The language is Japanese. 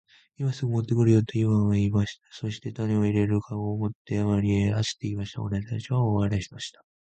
「今すぐ持って来るよ。」とイワンは言いました。そして種を入れる籠を持って森へ走って行きました。女たちは大笑いしました。